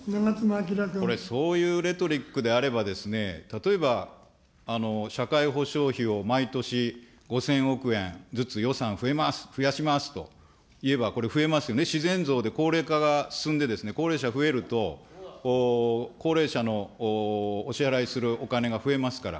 これ、そういうレトリックであれば、例えば、社会保障費を毎年５０００億円ずつ予算増えます、増やしますと言えば、これ増えますよね、自然増で高齢化が進んで、高齢者増えると、高齢者のお支払するお金が増えますから。